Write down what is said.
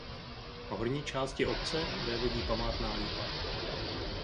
Horní části obce vévodí památná lípa.